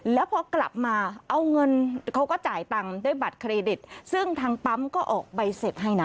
แล้วพอกลับมาเอาเงินเขาก็จ่ายตังค์ด้วยบัตรเครดิตซึ่งทางปั๊มก็ออกใบเสร็จให้นะ